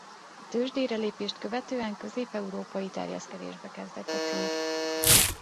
A tőzsdére lépést követően közép-európai terjeszkedésbe kezdett a cég.